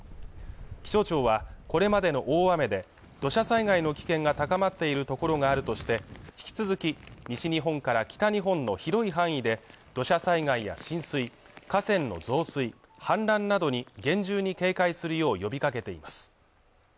気象庁はこれまでの大雨で土砂災害の危険が高まっている所があるとして引き続き西日本から北日本の広い範囲で土砂災害や浸水河川の増水氾濫などに厳重に警戒するよう呼びかけています